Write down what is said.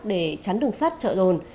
để tránh đường sắt trợ rồn